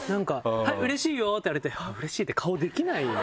「はいうれしいよ」って言われて「うれしい」って顔できない。